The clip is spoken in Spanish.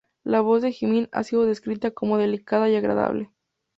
La voz de Jimin ha sido descrita como delicada y agradable.